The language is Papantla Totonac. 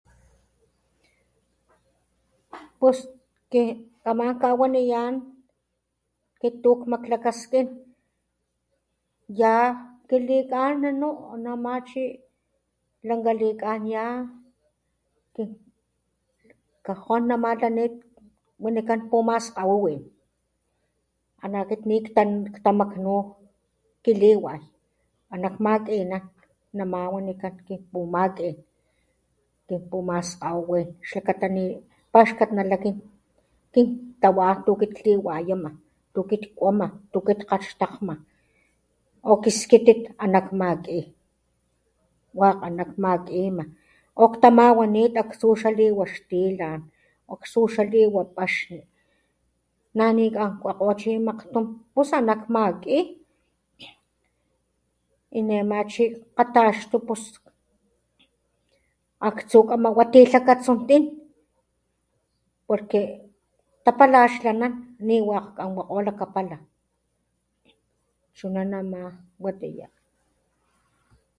Pus ki kamán kawaniyán pituk makglakastilh ya kilita ananú namá chi langalikanyán kin kgajaw namatlanit wanikán tumaskawawin analiknik tan ktamakgnú kiliwán talakgmati nak namá wanikán kin pumaki tikumas awat xakatani axtak nanajín kin tawá pukgilhti wayuma tukilhkgoma tukut kaxtajma akit skitit anak makki wakganak makkina o ktamawaní taxtu xali wa xtilan oksu xali wa pakxni nalikgan kokgochi makgtum pus anán matli y ne amá chilhkgataxpupus aktsú kamawati lhakatsuntí porke tapala ax nanán niwa kganwakgo lakgapalan chuna naná watiyá.